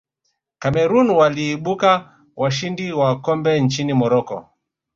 cameroon waliibuka washindi wa kombe nchini morocco